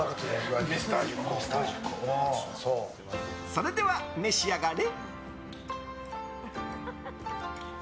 それでは、召し上がれ。